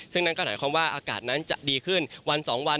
ซึ่งนั่นก็หมายความว่าอากาศนั้นจะดีขึ้นวัน๒วัน